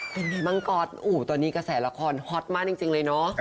เป็นไงบ้างก๊อตตอนนี้กระแสละครฮอตมากจริงเลยเนอะ